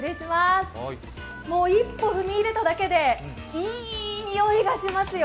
一歩踏み入れただけでいい匂いがしますよ。